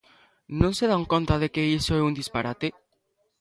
¿Non se dan conta de que iso é un disparate?